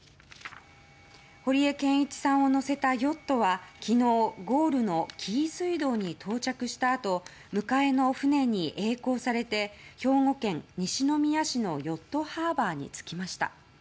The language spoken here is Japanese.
堀江謙一さんを乗せたヨットは昨日、ゴールの紀伊水道に到着したあと迎えの船に曳航されて兵庫県西宮市のヨットハーバーに着きました。